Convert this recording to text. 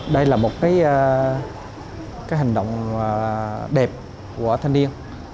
đây là một cái hành động đẹp của thanh niên